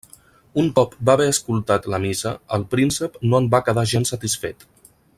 Un cop va haver escoltat la Missa, el príncep no en va quedar gens satisfet.